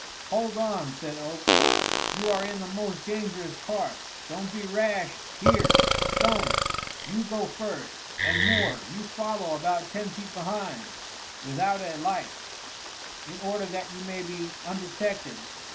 "Hold on!" said Oakes. "You are in the most dangerous part; don't be rash. Here, Stone, you go first and Moore, you follow about ten feet behind, without a light, in order that you may be undetected.